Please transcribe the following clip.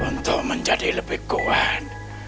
untuk menjadi lebih kuat